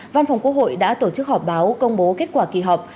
văn phòng quốc hội đã tổ chức họp báo công bố kết quả kỳ họp